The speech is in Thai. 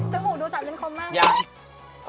สมุขดูสับเป็นคมมาก